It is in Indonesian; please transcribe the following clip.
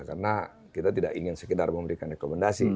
karena kita tidak ingin sekedar memberikan rekomendasi